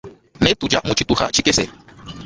Ne tudia mutshituha tshikese.